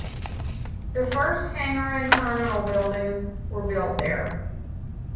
The first hangar and terminal buildings were built there.